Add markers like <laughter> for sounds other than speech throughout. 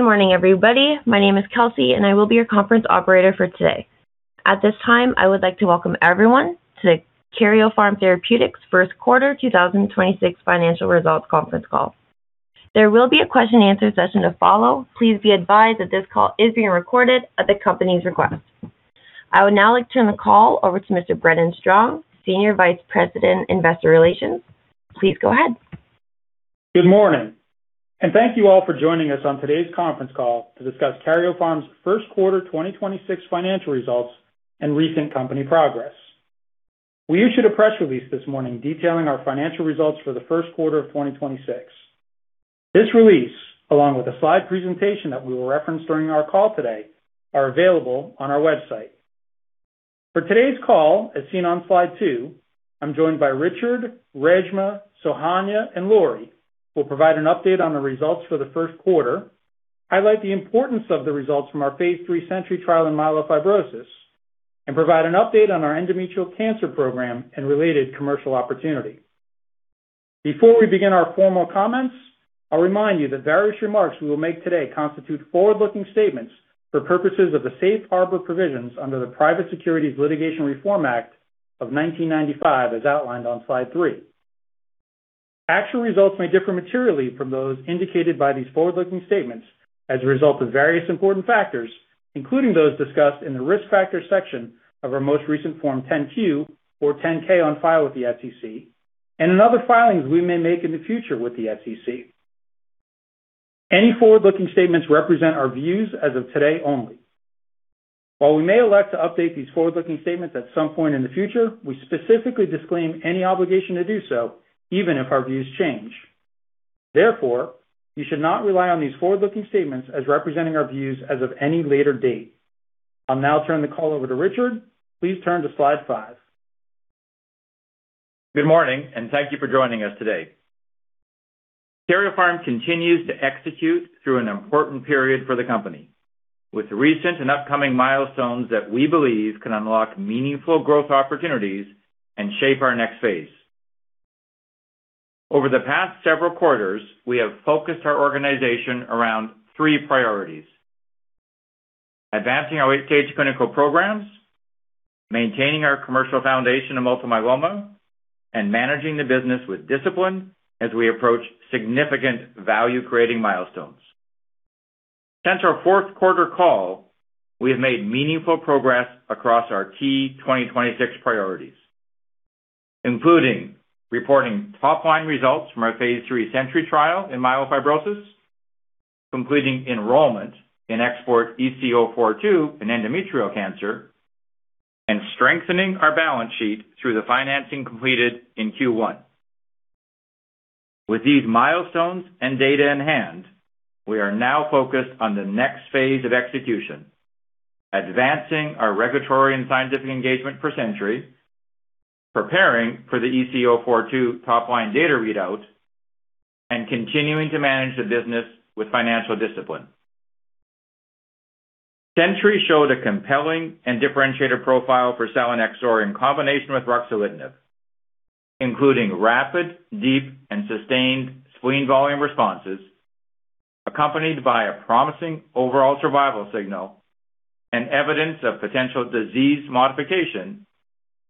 Good morning, everybody. My name is Kelsey, and I will be your conference operator for today. At this time, I would like to welcome everyone to Karyopharm Therapeutics' Q1 2026 financial results conference call. There will be a question and answer session to follow. Please be advised that this call is being recorded at the company's request. I would now like to turn the call over to Mr. Brendan Strong, Senior Vice President, Investor Relations. Please go ahead. Good morning. Thank you all for joining us on today's conference call to discuss Karyopharm's 1st quarter 2026 financial results and recent company progress. We issued a press release this morning detailing our financial results for the Q1 of 2026. This release, along with a slide presentation that we will reference during our call today, are available on our website. For today's call, as seen on slide two I'm joined by Richard, Reshma, Sohanya, and Lori, who will provide an update on the results for the 1st quarter, highlight the importance of the results from our phase III SENTRY trial in myelofibrosis, and provide an update on our endometrial cancer program and related commercial opportunity. Before we begin our formal comments, I'll remind you that various remarks we will make today constitute forward-looking statements for purposes of the safe harbor provisions under the Private Securities Litigation Reform Act of 1995, as outlined on slide three. Actual results may differ materially from those indicated by these forward-looking statements as a result of various important factors, including those discussed in the Risk Factors section of our most recent Form 10-Q or 10-K on file with the SEC and in other filings we may make in the future with the SEC. Any forward-looking statements represent our views as of today only. While we may elect to update these forward-looking statements at some point in the future, we specifically disclaim any obligation to do so, even if our views change. Therefore, you should not rely on these forward-looking statements as representing our views as of any later date. I'll now turn the call over to Richard. Please turn to slide five. Good morning, and thank you for joining us today. Karyopharm continues to execute through an important period for the company, with recent and upcoming milestones that we believe can unlock meaningful growth opportunities and shape our next phase. Over the past several quarters, we have focused our organization around three priorities: advancing our late-stage clinical programs, maintaining our commercial foundation in multiple myeloma, and managing the business with discipline as we approach significant value-creating milestones. Since our fourth quarter call, we have made meaningful progress across our key 2026 priorities, including reporting top-line results from our phase III SENTRY trial in myelofibrosis, completing enrollment in XPORT-EC-042 in endometrial cancer, and strengthening our balance sheet through the financing completed in Q1. With these milestones and data in hand, we are now focused on the next phase of execution, advancing our regulatory and scientific engagement for SENTRY, preparing for the EC042 top-line data readout, and continuing to manage the business with financial discipline. SENTRY showed a compelling and differentiated profile for selinexor in combination with ruxolitinib, including rapid, deep, and sustained spleen volume responses, accompanied by a promising overall survival signal and evidence of potential disease modification,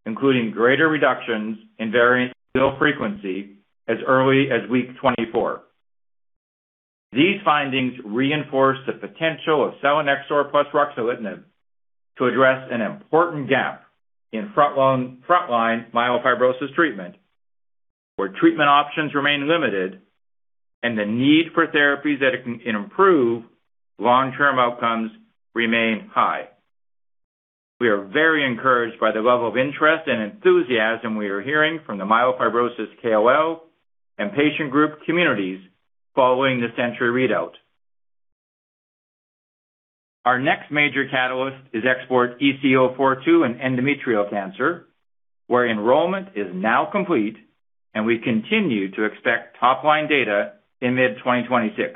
including greater reductions in variant allele frequency as early as week 24. These findings reinforce the potential of selinexor plus ruxolitinib to address an important gap in frontline myelofibrosis treatment, where treatment options remain limited and the need for therapies that can improve long-term outcomes remain high. We are very encouraged by the level of interest and enthusiasm we are hearing from the myelofibrosis KOL and patient group communities following the SENTRY readout. Our next major catalyst is XPORT-EC-042 in endometrial cancer, where enrollment is now complete. We continue to expect top-line data in mid-2026.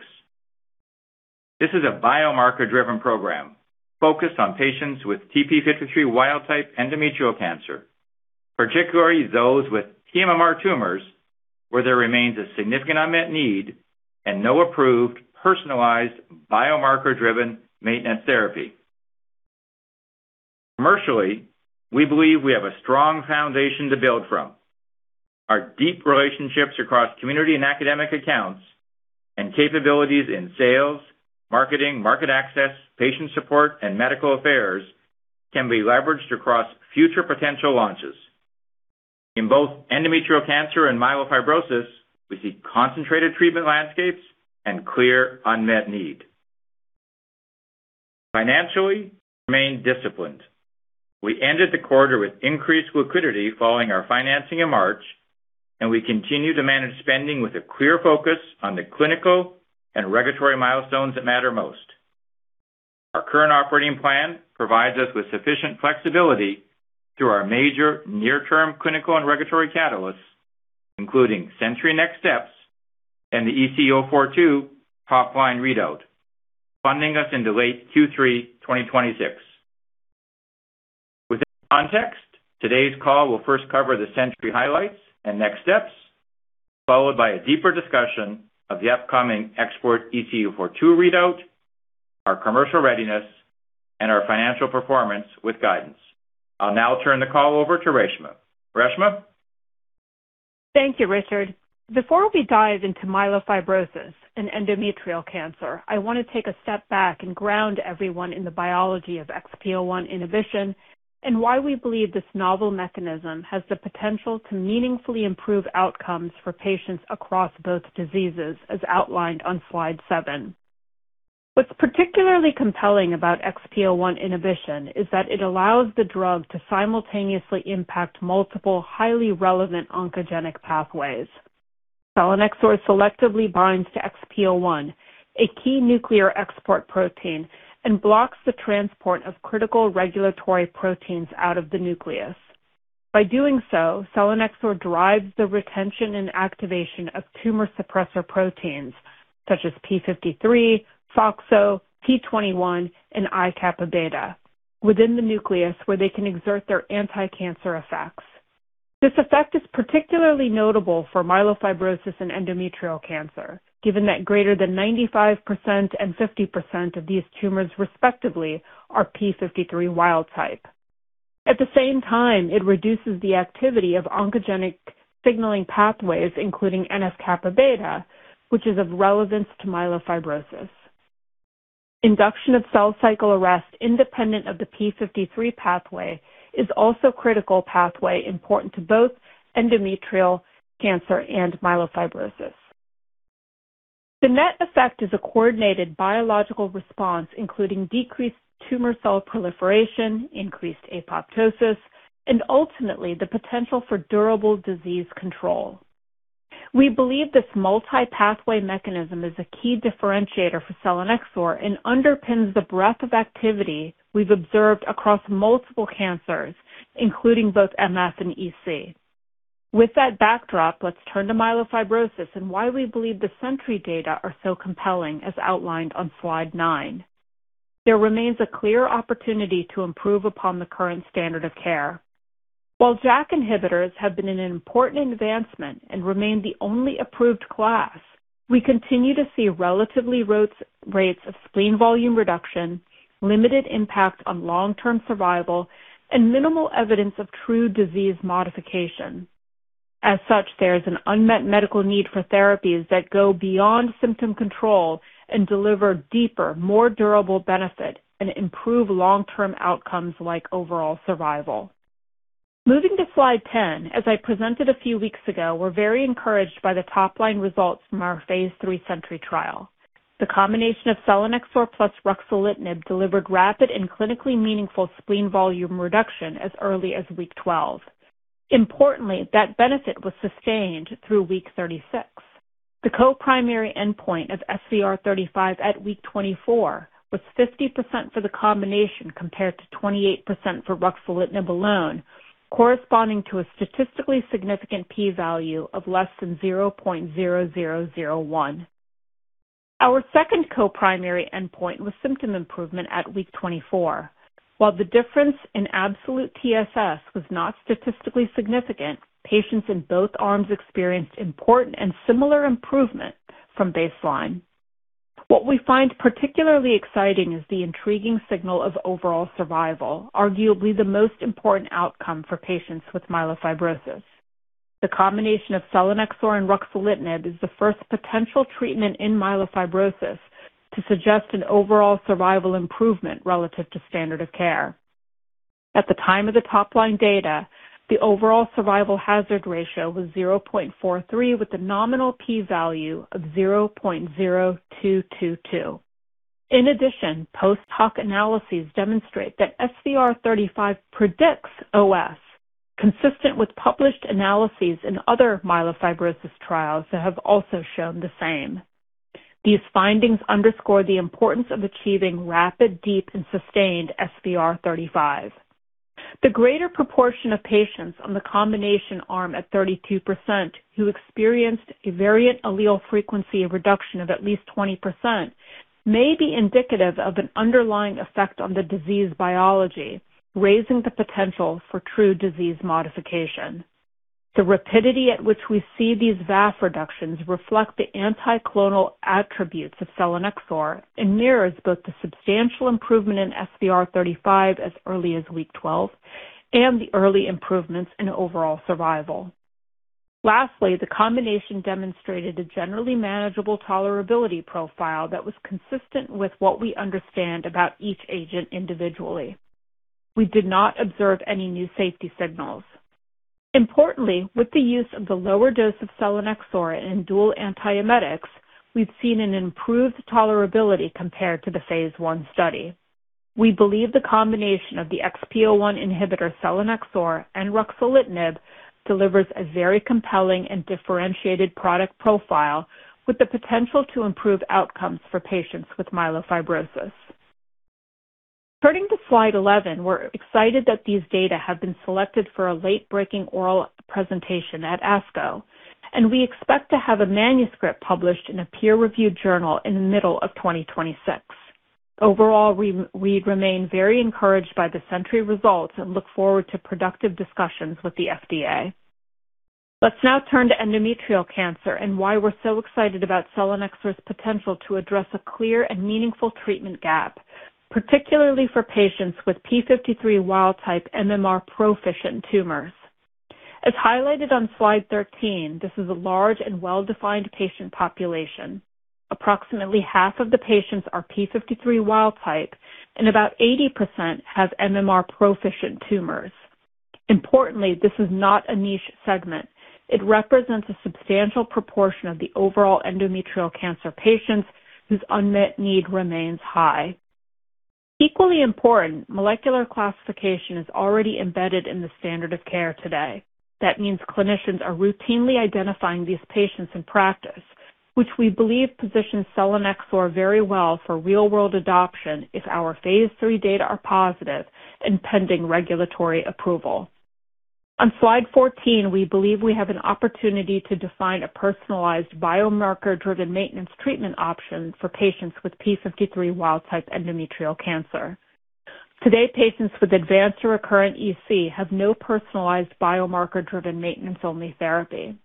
This is a biomarker-driven program focused on patients with TP53 wild-type endometrial cancer, particularly those with pMMR tumors, where there remains a significant unmet need and no approved personalized biomarker-driven maintenance therapy. Commercially, we believe we have a strong foundation to build from. Our deep relationships across community and academic accounts and capabilities in sales, marketing, market access, patient support, and medical affairs can be leveraged across future potential launches. In both endometrial cancer and myelofibrosis, we see concentrated treatment landscapes and clear unmet need. Financially, we remain disciplined. We ended the quarter with increased liquidity following our financing in March. We continue to manage spending with a clear focus on the clinical and regulatory milestones that matter most. Our current operating plan provides us with sufficient flexibility through our major near-term clinical and regulatory catalysts, including SENTRY next steps and the XPORT-EC-042 top-line readout, funding us into late Q3 2026. With that context, today's call will first cover the SENTRY highlights and next steps, followed by a deeper discussion of the upcoming XPORT-EC-042 readout, our commercial readiness, and our financial performance with guidance. I'll now turn the call over to Reshma. Reshma? Thank you, Richard. Before we dive into myelofibrosis and endometrial cancer, I want to take a step back and ground everyone in the biology of XPO1 inhibition and why we believe this novel mechanism has the potential to meaningfully improve outcomes for patients across both diseases, as outlined on slide seven. What's particularly compelling about XPO1 inhibition is that it allows the drug to simultaneously impact multiple highly relevant oncogenic pathways. Selinexor selectively binds to XPO1, a key nuclear export protein, and blocks the transport of critical regulatory proteins out of the nucleus. By doing so, selinexor drives the retention and activation of tumor suppressor proteins such as p53, FOXO, p21, and IκBα within the nucleus where they can exert their anticancer effects. This effect is particularly notable for myelofibrosis and endometrial cancer, given that greater than 95% and 50% of these tumors, respectively, are p53 wild type. At the same time, it reduces the activity of oncogenic signaling pathways, including NF-κB, which is of relevance to myelofibrosis. Induction of cell cycle arrest independent of the p53 pathway is also critical pathway important to both endometrial cancer and myelofibrosis. The net effect is a coordinated biological response, including decreased tumor cell proliferation, increased apoptosis, and ultimately the potential for durable disease control. We believe this multi-pathway mechanism is a key differentiator for selinexor and underpins the breadth of activity we've observed across multiple cancers, including both MF and EC. With that backdrop, let's turn to myelofibrosis and why we believe the SENTRY data are so compelling, as outlined on slide nine. There remains a clear opportunity to improve upon the current standard of care. While JAK inhibitors have been an important advancement and remain the only approved class, we continue to see relatively rates of spleen volume reduction, limited impact on long-term survival, and minimal evidence of true disease modification. As such, there is an unmet medical need for therapies that go beyond symptom control and deliver deeper, more durable benefit and improve long-term outcomes like overall survival. Moving to slide 10, as I presented a few weeks ago, we're very encouraged by the top-line results from our phase III SENTRY trial. The combination of selinexor plus ruxolitinib delivered rapid and clinically meaningful spleen volume reduction as early as week 12. Importantly, that benefit was sustained through week 36. The co-primary endpoint of SVR 35 at week 24 was 50% for the combination compared to 28% for ruxolitinib alone, corresponding to a statistically significant P value of less than 0.0001. Our second co-primary endpoint was symptom improvement at week 24. While the difference in absolute TSS was not statistically significant, patients in both arms experienced important and similar improvement from baseline. What we find particularly exciting is the intriguing signal of overall survival, arguably the most important outcome for patients with myelofibrosis. The combination of selinexor and ruxolitinib is the first potential treatment in myelofibrosis to suggest an overall survival improvement relative to standard of care. At the time of the top line data, the overall survival hazard ratio was 0.43 with a nominal P value of 0.0222. In addition, post hoc analyses demonstrate that SVR 35 predicts OS, consistent with published analyses in other myelofibrosis trials that have also shown the same. These findings underscore the importance of achieving rapid, deep and sustained SVR 35. The greater proportion of patients on the combination arm at 32% who experienced a variant allele frequency reduction of at least 20% may be indicative of an underlying effect on the disease biology, raising the potential for true disease modification. The rapidity at which we see these VAF reductions reflect the anti-clonal attributes of selinexor and mirrors both the substantial improvement in SVR 35 as early as week 12 and the early improvements in overall survival. Lastly, the combination demonstrated a generally manageable tolerability profile that was consistent with what we understand about each agent individually. We did not observe any new safety signals. With the use of the lower dose of selinexor in dual antiemetics, we've seen an improved tolerability compared to the phase I study. We believe the combination of the XPO1 inhibitor selinexor and ruxolitinib delivers a very compelling and differentiated product profile with the potential to improve outcomes for patients with myelofibrosis. Turning to slide 11, we're excited that these data have been selected for a late-breaking oral presentation at ASCO. We expect to have a manuscript published in a peer-reviewed journal in the middle of 2026. We remain very encouraged by the SENTRY results and look forward to productive discussions with the FDA. Let's now turn to endometrial cancer and why we're so excited about selinexor's potential to address a clear and meaningful treatment gap, particularly for patients with p53 wild-type MMR-proficient tumors. As highlighted on slide 13, this is a large and well-defined patient population. Approximately half of the patients are p53 wild-type, and about 80% have MMR-proficient tumors. Importantly, this is not a niche segment. It represents a substantial proportion of the overall endometrial cancer patients whose unmet need remains high. Equally important, molecular classification is already embedded in the standard of care today. That means clinicians are routinely identifying these patients in practice, which we believe positions selinexor very well for real-world adoption if our phase III data are positive and pending regulatory approval. On slide 14, we believe we have an opportunity to define a personalized biomarker-driven maintenance treatment option for patients with p53 wild-type endometrial cancer. Today, patients with advanced or recurrent EC have no personalized biomarker-driven maintenance-only therapy.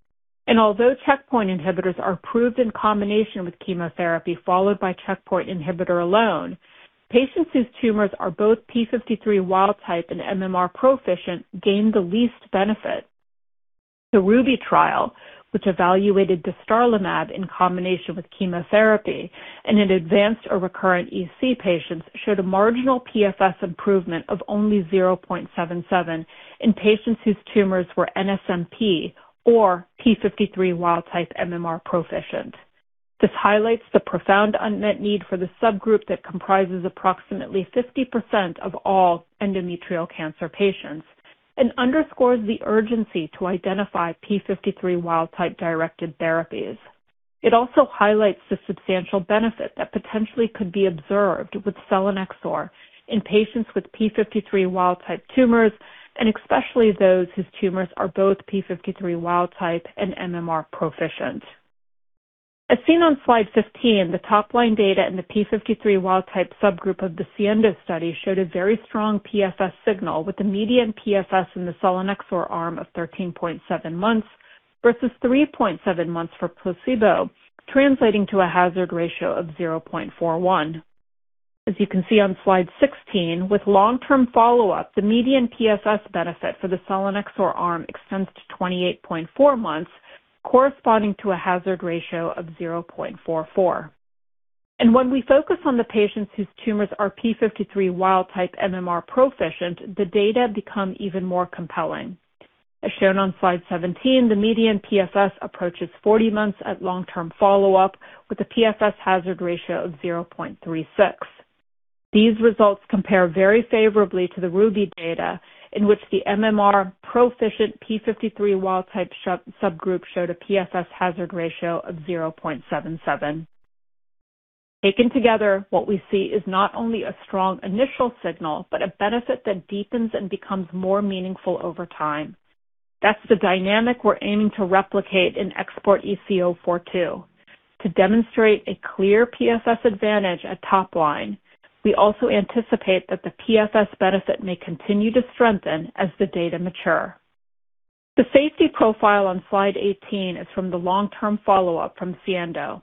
Although checkpoint inhibitors are approved in combination with chemotherapy followed by checkpoint inhibitor alone, patients whose tumors are both TP53 wild-type and MMR-proficient gain the least benefit. The RUBY trial, which evaluated dostarlimab in combination with chemotherapy and in advanced or recurrent EC patients, showed a marginal PFS improvement of only 0.77 in patients whose tumors were NSMP or TP53 wild-type MMR-proficient. This highlights the profound unmet need for the subgroup that comprises approximately 50% of all endometrial cancer patients and underscores the urgency to identify TP53 wild-type-directed therapies. It also highlights the substantial benefit that potentially could be observed with selinexor in patients with TP53 wild-type tumors, and especially those whose tumors are both TP53 wild-type and MMR-proficient. As seen on slide 15, the top-line data in the p53 wild-type subgroup of the SIENDO study showed a very strong PFS signal with a median PFS in the selinexor arm of 13.7 months versus 3.7 months for placebo, translating to a hazard ratio of 0.41. As you can see on slide 16, with long-term follow-up, the median PFS benefit for the selinexor arm extends to 28.4 months, corresponding to a hazard ratio of 0.44. When we focus on the patients whose tumors are p53 wild-type MMR-proficient, the data become even more compelling. As shown on slide 17, the median PFS approaches 40 months at long-term follow-up with a PFS hazard ratio of 0.36. These results compare very favorably to the RUBY data in which the MMR-proficient p53 wild-type subgroup showed a PFS hazard ratio of 0.77. Taken together, what we see is not only a strong initial signal, but a benefit that deepens and becomes more meaningful over time. That's the dynamic we're aiming to replicate in XPORT-EC-042. To demonstrate a clear PFS advantage at top line, we also anticipate that the PFS benefit may continue to strengthen as the data mature. The safety profile on slide 18 is from the long-term follow-up from SIENDO.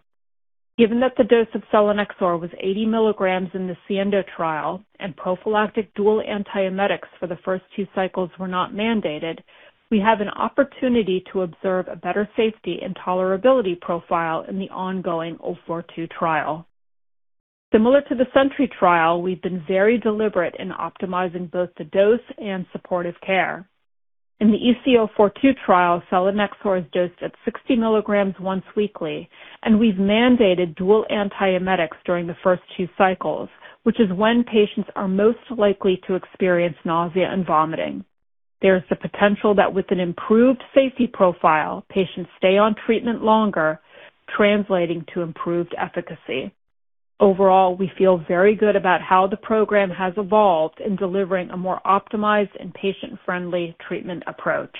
Given that the dose of selinexor was 80 milligrams in the SIENDO trial and prophylactic dual antiemetics for the first 2 cycles were not mandated, we have an opportunity to observe a better safety and tolerability profile in the ongoing 042 trial. Similar to the SENTRY trial, we've been very deliberate in optimizing both the dose and supportive care. In the XPORT-EC-042 trial, selinexor is dosed at 60 milligrams once weekly, and we've mandated dual antiemetics during the first 2 cycles, which is when patients are most likely to experience nausea and vomiting. There is the potential that with an improved safety profile, patients stay on treatment longer, translating to improved efficacy. Overall, we feel very good about how the program has evolved in delivering a more optimized and patient-friendly treatment approach.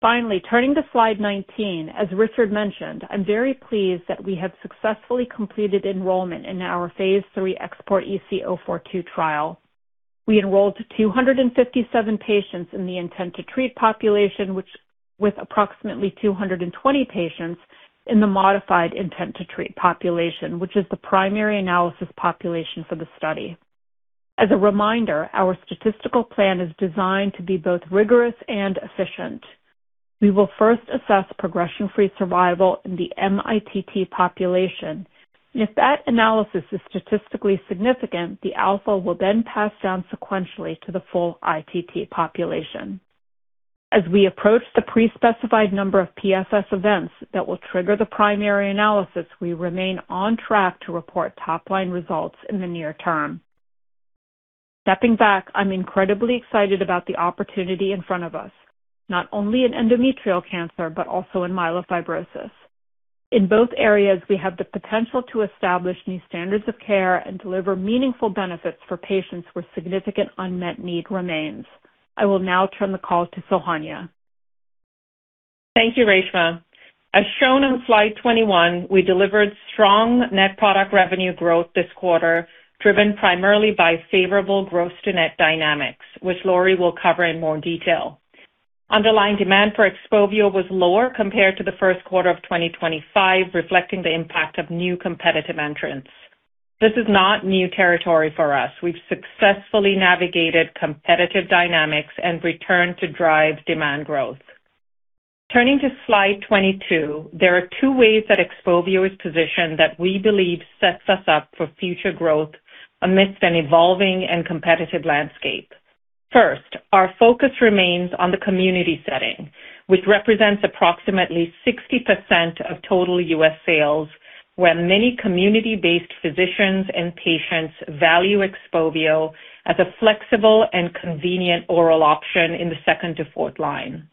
Finally, turning to slide 19, as Richard mentioned, I'm very pleased that we have successfully completed enrollment in our phase III XPORT-EC-042 trial. We enrolled 257 patients in the Intent-to-Treat population, which with approximately 220 patients in the Modified Intent-to-Treat population, which is the primary analysis population for the study. As a reminder, our statistical plan is designed to be both rigorous and efficient. We will first assess progression-free survival in the mITT population. If that analysis is statistically significant, the alpha will then pass down sequentially to the full ITT population. As we approach the pre-specified number of PFS events that will trigger the primary analysis, we remain on track to report top-line results in the near term. Stepping back, I'm incredibly excited about the opportunity in front of us, not only in endometrial cancer, but also in myelofibrosis. In both areas, we have the potential to establish new standards of care and deliver meaningful benefits for patients where significant unmet need remains. I will now turn the call to Sohanya. Thank you, Reshma. As shown on slide 21, we delivered strong net product revenue growth this quarter, driven primarily by favorable gross to net dynamics, which Lori will cover in more detail. Underlying demand for XPOVIO was lower compared to the 1st quarter of 2025, reflecting the impact of new competitive entrants. This is not new territory for us. We've successfully navigated competitive dynamics and returned to drive demand growth. Turning to slide 22, there are two ways that XPOVIO is positioned that we believe sets us up for future growth amidst an evolving and competitive landscape. First, our focus remains on the community setting, which represents approximately 60% of total U.S. sales, where many community-based physicians and patients value XPOVIO as a flexible and convenient oral option in the second to fourth line.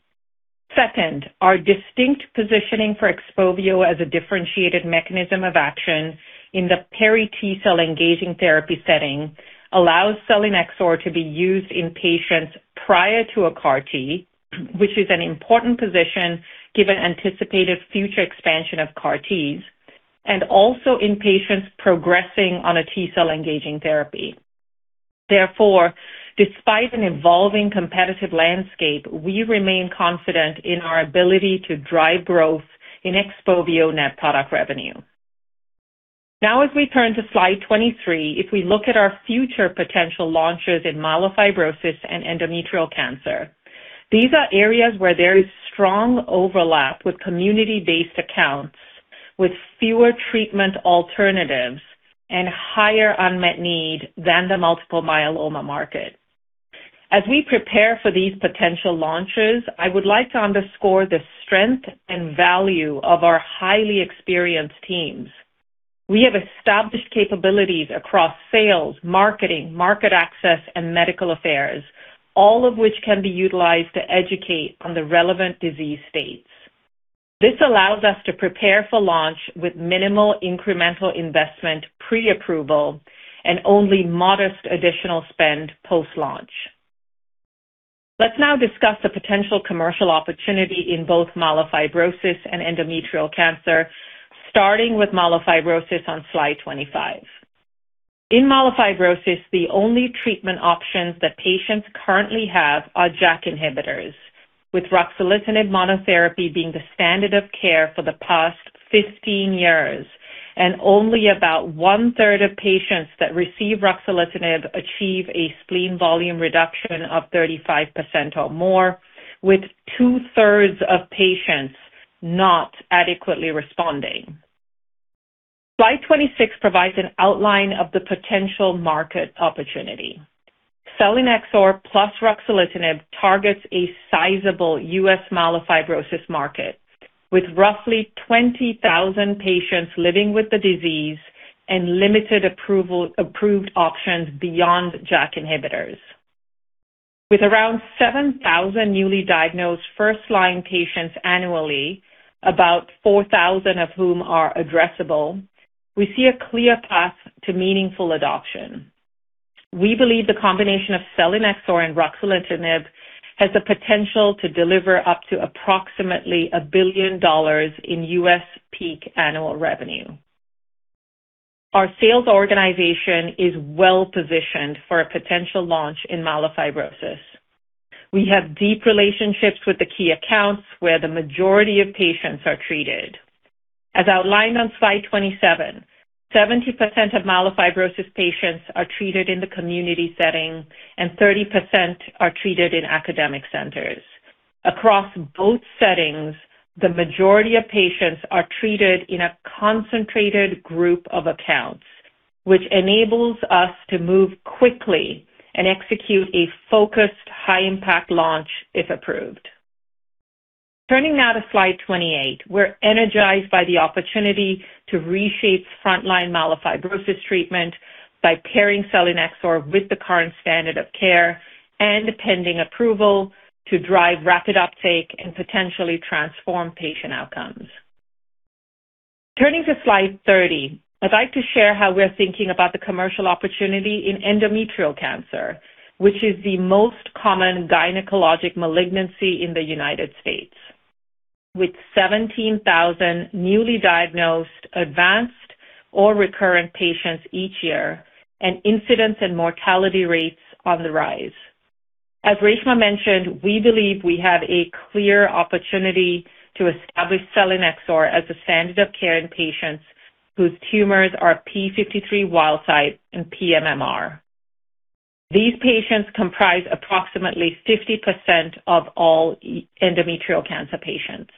Second, our distinct positioning for XPOVIO as a differentiated mechanism of action in the peri T-cell engaging therapy setting allows selinexor to be used in patients prior to a CAR T, which is an important position given anticipated future expansion of CAR Ts, and also in patients progressing on a T-cell engaging therapy. Therefore, despite an evolving competitive landscape, we remain confident in our ability to drive growth in XPOVIO net product revenue. Now as we turn to slide 23, if we look at our future potential launches in myelofibrosis and endometrial cancer, these are areas where there is strong overlap with community-based accounts with fewer treatment alternatives and higher unmet need than the multiple myeloma market. As we prepare for these potential launches, I would like to underscore the strength and value of our highly experienced teams. We have established capabilities across sales, marketing, market access, and medical affairs, all of which can be utilized to educate on the relevant disease states. This allows us to prepare for launch with minimal incremental investment pre-approval and only modest additional spend post-launch. Let's now discuss the potential commercial opportunity in both myelofibrosis and endometrial cancer, starting with myelofibrosis on slide 25. In myelofibrosis, the only treatment options that patients currently have are JAK inhibitors, with Ruxolitinib monotherapy being the standard of care for the past 15 years, and only about 1/3 of patients that receive Ruxolitinib achieve a spleen volume reduction of 35% or more, with 2/3 Of patients not adequately responding. Slide 26 provides an outline of the potential market opportunity. selinexor plus Ruxolitinib targets a sizable U.S. myelofibrosis market with roughly 20,000 patients living with the disease and limited approval, approved options beyond JAK inhibitors. With around 7,000 newly diagnosed frontline patients annually, about 4,000 of whom are addressable, we see a clear path to meaningful adoption. We believe the combination of selinexor and ruxolitinib has the potential to deliver up to approximately $1 billion in U.S. peak annual revenue. Our sales organization is well-positioned for a potential launch in myelofibrosis. We have deep relationships with the key accounts where the majority of patients are treated. As outlined on slide 27, 70% of myelofibrosis patients are treated in the community setting and 30% are treated in academic centers. Across both settings, the majority of patients are treated in a concentrated group of accounts, which enables us to move quickly and execute a focused high-impact launch if approved. Turning now to slide 28, we're energized by the opportunity to reshape frontline myelofibrosis treatment by pairing selinexor with the current standard of care and pending approval to drive rapid uptake and potentially transform patient outcomes. Turning to slide 30, I'd like to share how we're thinking about the commercial opportunity in endometrial cancer, which is the most common gynecologic malignancy in the U.S., with 17,000 newly diagnosed, advanced, or recurrent patients each year, and incidence and mortality rates on the rise. As Reshma mentioned, we believe we have a clear opportunity to establish selinexor as a standard of care in patients whose tumors are TP53 wild-type and pMMR. These patients comprise approximately 50% of all endometrial cancer patients.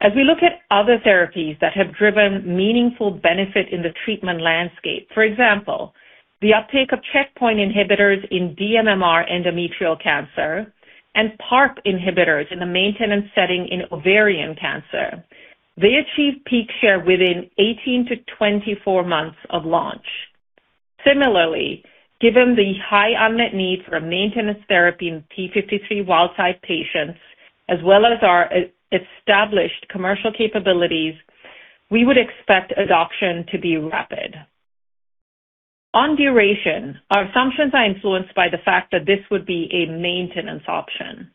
As we look at other therapies that have driven meaningful benefit in the treatment landscape, for example, the uptake of checkpoint inhibitors in dMMR endometrial cancer and PARP inhibitors in the maintenance setting in ovarian cancer, they achieve peak share within 18-24 months of launch. Similarly, given the high unmet need for maintenance therapy in p53 wild-type patients, as well as our established commercial capabilities, we would expect adoption to be rapid. On duration, our assumptions are influenced by the fact that this would be a maintenance option.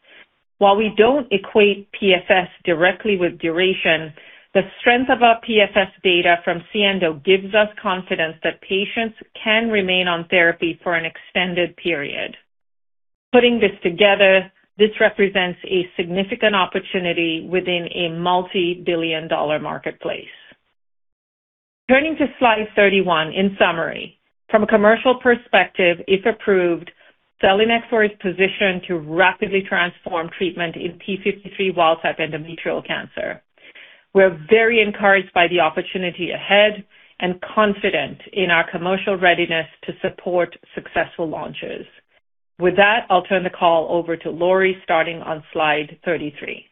While we don't equate PFS directly with duration, the strength of our PFS data from SIENDO gives us confidence that patients can remain on therapy for an extended period. Putting this together, this represents a significant opportunity within a multi-billion-dollar marketplace. Turning to slide 31, in summary, from a commercial perspective, if approved, selinexor is positioned to rapidly transform treatment in p53 wild-type endometrial cancer. We're very encouraged by the opportunity ahead and confident in our commercial readiness to support successful launches. With that, I'll turn the call over to Lori, starting on slide 33.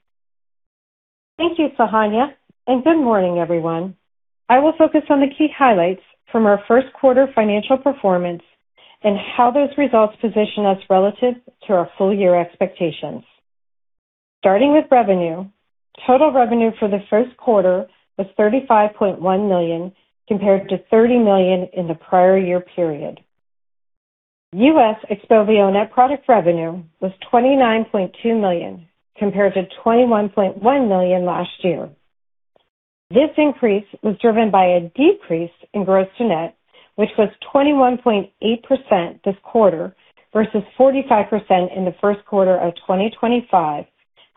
Thank you, Sohanya, and good morning, everyone. I will focus on the key highlights from our first quarter financial performance and how those results position us relative to our full-year expectations. Starting with revenue, total revenue for the first quarter was $35.1 million compared to $30 million in the prior year period. U.S. XPOVIO net product revenue was $29.2 million compared to $21.1 million last year. This increase was driven by a decrease in gross to net, which was 21.8% this quarter versus 45% in the first quarter of 2025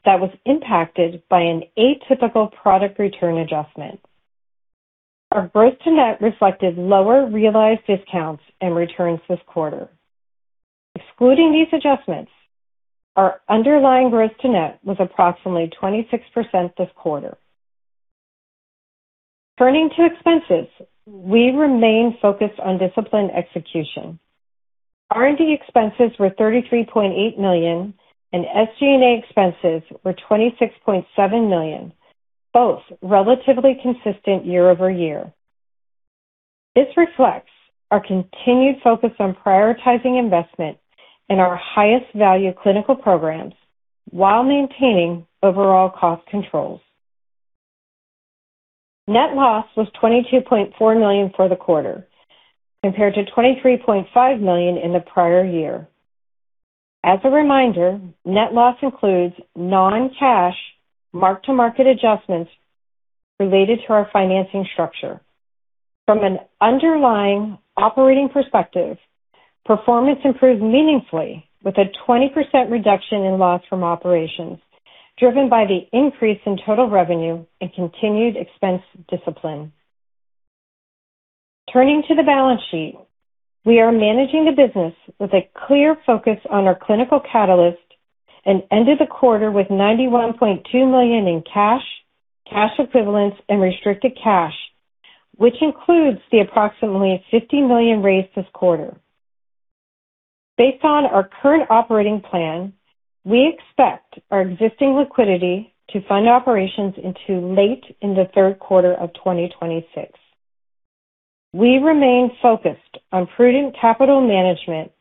that was impacted by an atypical product return adjustment. Our gross to net reflected lower realized discounts and returns this quarter. Excluding these adjustments, our underlying gross to net was approximately 26% this quarter. Turning to expenses, we remain focused on disciplined execution. R&D expenses were $33.8 million, and SG&A expenses were $26.7 million, both relatively consistent year-over-year. This reflects our continued focus on prioritizing investment in our highest-value clinical programs while maintaining overall cost controls. Net loss was $22.4 million for the quarter compared to $23.5 million in the prior year. As a reminder, net loss includes non-cash mark-to-market adjustments related to our financing structure. From an underlying operating perspective, performance improved meaningfully with a 20% reduction in loss from operations, driven by the increase in total revenue and continued expense discipline. Turning to the balance sheet, we are managing the business with a clear focus on our clinical catalyst and ended the quarter with $91.2 million in cash equivalents, and restricted cash, which includes the approximately $50 million raised this quarter. Based on our current operating plan, we expect our existing liquidity to fund operations into late in the third quarter of 2026. We remain focused on prudent capital management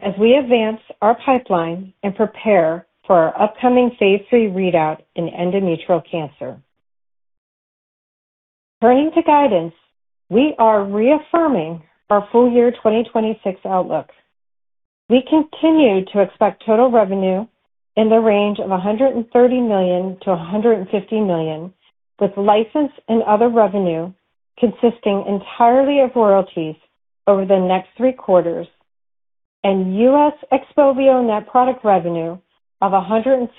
as we advance our pipeline and prepare for our upcoming phase III readout in endometrial cancer. Turning to guidance, we are reaffirming our full-year 2026 outlook. We continue to expect total revenue in the range of $130 million to $150 million, with license and other revenue consisting entirely of royalties over the next three quarters and U.S. XPOVIO net product revenue of $115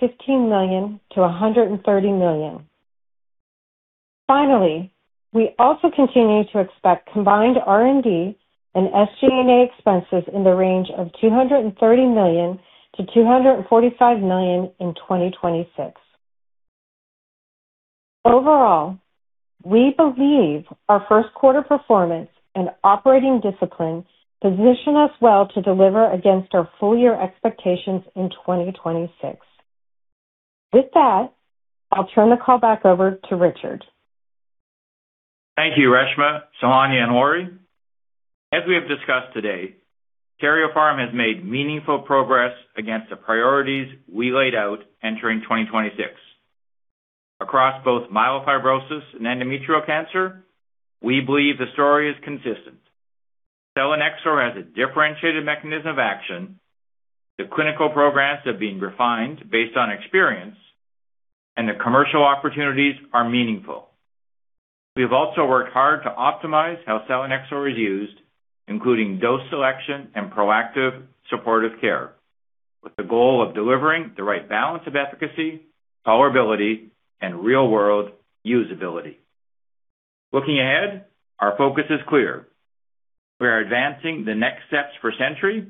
million to $130 million. Finally, we also continue to expect combined R&D and SG&A expenses in the range of $230 million to $245 million in 2026. Overall, we believe our first quarter performance and operating discipline position us well to deliver against our full-year expectations in 2026. With that, I'll turn the call back over to Richard. Thank you, Reshma, Sohanya, and Lori. As we have discussed today, Karyopharm has made meaningful progress against the priorities we laid out entering 2026. Across both myelofibrosis and endometrial cancer, we believe the story is consistent. selinexor has a differentiated mechanism of action, the clinical programs have been refined based on experience, and the commercial opportunities are meaningful. We have also worked hard to optimize how selinexor is used, including dose selection and proactive supportive care, with the goal of delivering the right balance of efficacy, tolerability, and real-world usability. Looking ahead, our focus is clear. We are advancing the next steps for SENTRY,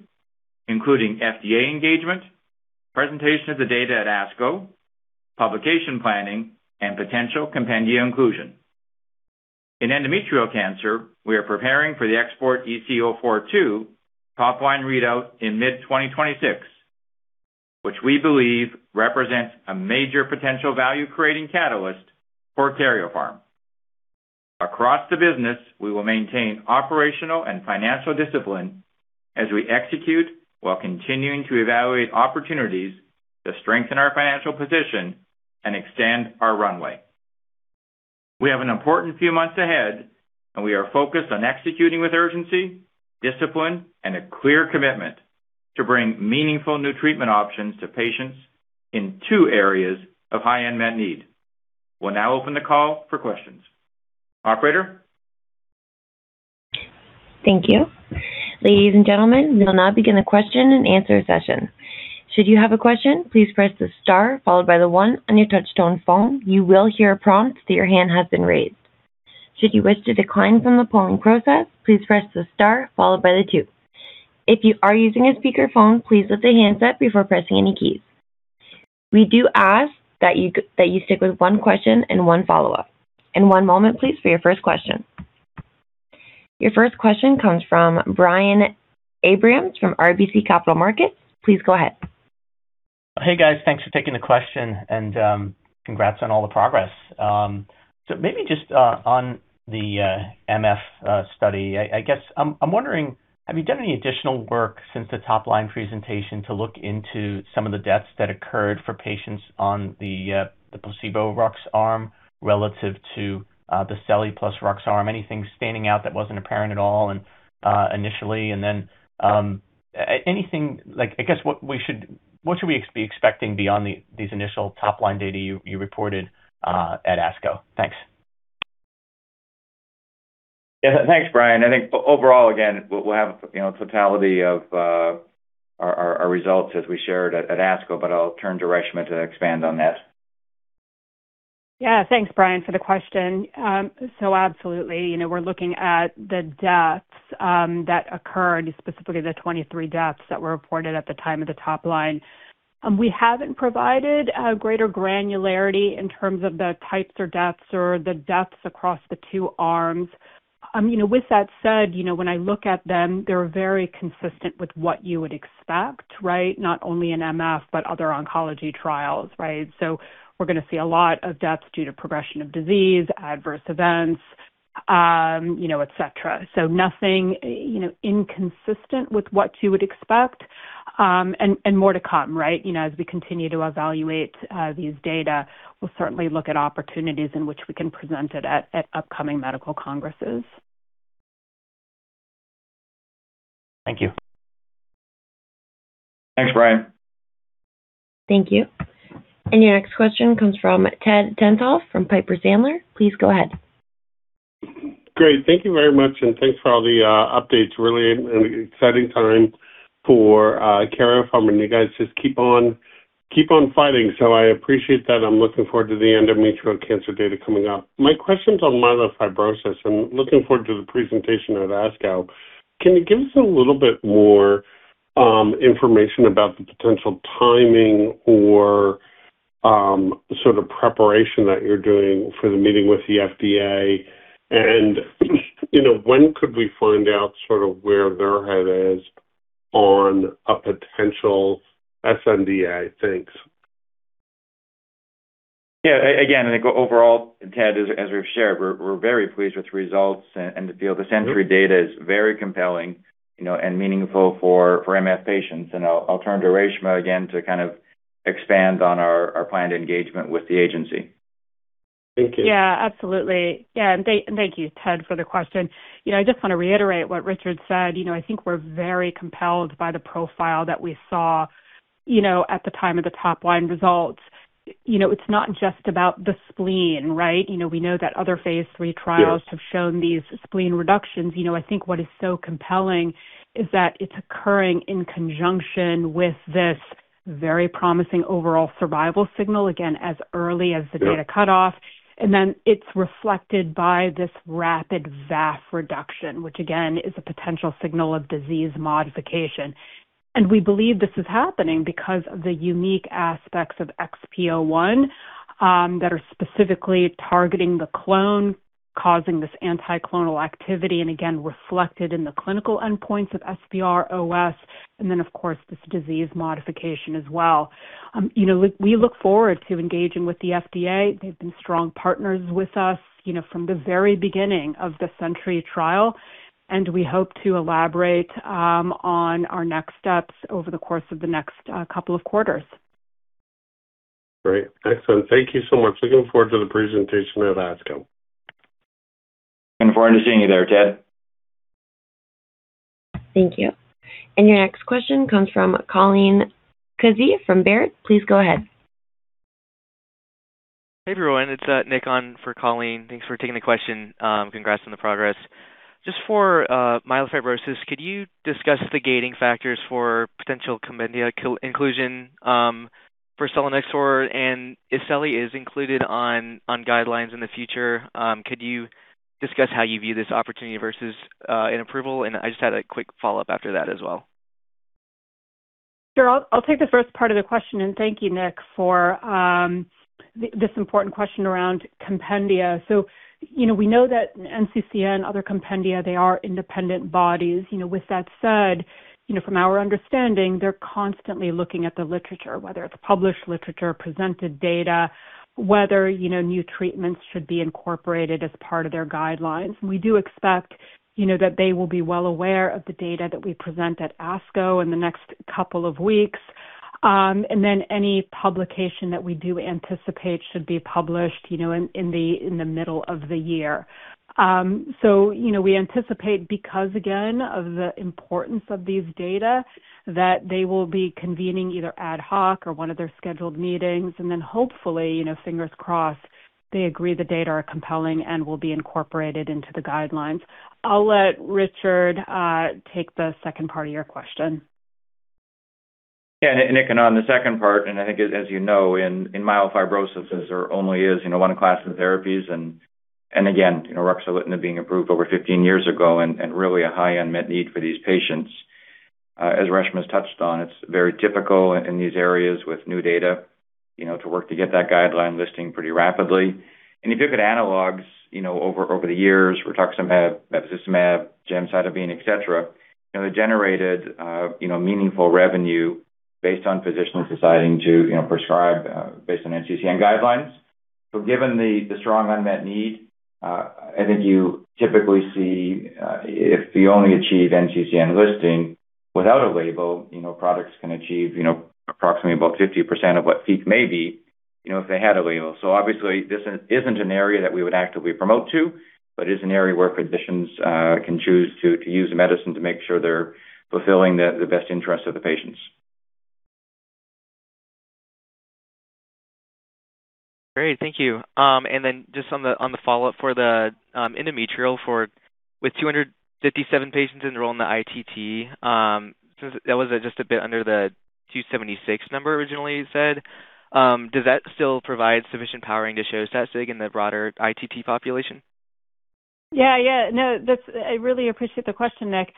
including FDA engagement, presentation of the data at ASCO, publication planning, and potential compendia inclusion. In endometrial cancer, we are preparing for the XPORT-EC-042 top-line readout in mid-2026, which we believe represents a major potential value-creating catalyst for Karyopharm. Across the business, we will maintain operational and financial discipline as we execute while continuing to evaluate opportunities to strengthen our financial position and extend our runway. We have an important few months ahead. We are focused on executing with urgency, discipline, and a clear commitment to bring meaningful new treatment options to patients in two areas of high unmet need. We'll now open the call for questions. Operator? Thank you. Ladies and gentlemen, we will now begin the question-and-answer session. Should you have a question, please press the star followed by the one on your touchtone phone. You will hear a prompt that your hand has been raised. Should you wish to decline from the polling process, please press the star followed by the two. If you are using a speakerphone, please lift the handset before pressing any keys. We do ask that you stick with one question and one follow-up. One moment, please, for your first question. Your first question comes from Brian Abrahams from RBC Capital Markets. Please go ahead. Hey, guys. Thanks for taking the question, and congrats on all the progress. Maybe just on the MF study, have you done any additional work since the top-line presentation to look into some of the deaths that occurred for patients on the placebo Rux arm relative to the seli plus Rux arm? Anything standing out that wasn't apparent at all and initially? Anything, I guess what should we be expecting beyond these initial top-line data you reported at ASCO? Thanks. Yeah. Thanks, Brian. I think overall, again, we'll have, you know, totality of our results as we shared at ASCO, but I'll turn to Reshma to expand on that. Thanks, Brian, for the question. Absolutely, you know, we're looking at the deaths that occurred, specifically the 23 deaths that were reported at the time of the top line. We haven't provided a greater granularity in terms of the types or deaths or the deaths across the 2 arms. You know, with that said, you know, when I look at them, they're very consistent with what you would expect, right? Not only in MF, but other oncology trials, right? We're gonna see a lot of deaths due to progression of disease, adverse events, you know, et cetera. Nothing, you know, inconsistent with what you would expect, and more to come, right? You know, as we continue to evaluate these data, we'll certainly look at opportunities in which we can present it at upcoming medical congresses. Thank you. Thanks, Brian. Thank you. Your next question comes from Edward Tenthoff from Piper Sandler. Please go ahead. Great. Thank you very much. Thanks for all the updates. Really an exciting time for Karyopharm, and you guys just keep on fighting. I appreciate that. I'm looking forward to the endometrial cancer data coming up. My question's on myelofibrosis. I'm looking forward to the presentation at ASCO. Can you give us a little bit more information about the potential timing or sort of preparation that you're doing for the meeting with the FDA? You know, when could we find out sort of where their head is on a potential sNDA? Thanks. Yeah. Again, I think overall, Ted, as we've shared, we're very pleased with the results. SENTRY data is very compelling, you know, and meaningful for MF patients. I'll turn to Reshma again to kind of expand on our planned engagement with the agency. Thank you. Yeah, absolutely. Yeah, thank you, Ted, for the question. You know, I just wanna reiterate what Richard said. You know, I think we're very compelled by the profile that we saw, you know, at the time of the top line results. You know, it's not just about the spleen, right? You know, we know that other phase III trials have shown these spleen reductions. You know, I think what is so compelling is that it's occurring in conjunction with this very promising overall survival signal, again. Yeah. Cutoff. It's reflected by this rapid VAF reduction, which again is a potential signal of disease modification. We believe this is happening because of the unique aspects of XPO1 that are specifically targeting the clone, causing this anti-clonal activity and again reflected in the clinical endpoints of SVR OS and then, of course, this disease modification as well. You know, we look forward to engaging with the FDA. They've been strong partners with us, you know, from the very beginning of the SENTRY trial, and we hope to elaborate on our next steps over the course of the next couple of quarters. Great. Excellent. Thank you so much. Looking forward to the presentation at ASCO. Looking forward to seeing you there, Ted. Thank you. Your next question comes from Colleen Kusy from Baird. Please go ahead. Hey, everyone. It's Nick on for Colleen. Thanks for taking the question. Congrats on the progress. Just for myelofibrosis, could you discuss the gating factors for potential compendia inclusion for selinexor? If seli is included on guidelines in the future, could you discuss how you view this opportunity versus an approval? I just had a quick follow-up after that as well. Sure. I'll take the first part of the question. Thank you, Nick, for this important question around compendia. You know, we know that NCCN, other compendia, they are independent bodies. You know, with that said, you know, from our understanding, they're constantly looking at the literature, whether it's published literature, presented data, whether, you know, new treatments should be incorporated as part of their guidelines. We do expect, you know, that they will be well aware of the data that we present at ASCO in the next couple of weeks, any publication that we do anticipate should be published, you know, in the middle of the year. You know, we anticipate because, again, of the importance of these data, that they will be convening either ad hoc or one of their scheduled meetings. Hopefully, you know, fingers crossed, they agree the data are compelling and will be incorporated into the guidelines. I'll let Richard take the second part of your question. Yeah. Nick, on the second part, I think as you know, in myelofibrosis, there only is, you know, 1 class of therapies, and again, you know, ruxolitinib being approved over 15 years ago, and really a high unmet need for these patients. As Reshma's touched on, it's very typical in these areas with new data, you know, to work to get that guideline listing pretty rapidly. If you look at analogs, you know, over the years, rituximab, brentuximab, gemcitabine, et cetera, you know, they generated, you know, meaningful revenue based on physicians deciding to, you know, prescribe based on NCCN guidelines. Given the strong unmet need, I think you typically see, if we only achieve NCCN listing without a label, you know, products can achieve, you know, approximately about 50% of what peak may be, you know, if they had a label. Obviously, this isn't an area that we would actively promote to, but is an area where physicians can choose to use a medicine to make sure they're fulfilling the best interest of the patients. Great. Thank you. Just on the, on the follow-up for the endometrial with 257 patients enrolled in the ITT, so that was just a bit under the 276 number originally you said. Does that still provide sufficient powering to show statistic in the broader ITT population? Yeah. No, I really appreciate the question, Nick.